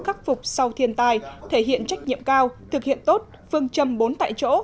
khắc phục sau thiên tai thể hiện trách nhiệm cao thực hiện tốt phương châm bốn tại chỗ